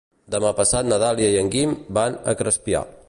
Demà passat na Dàlia i en Guim van a Crespià.